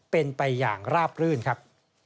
เป็นไปอย่างราบรื่นครับ